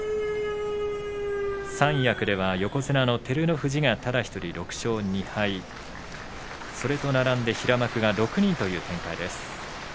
三役では横綱の照ノ富士がただ１人６勝２敗それと並んで平幕が６人という展開です。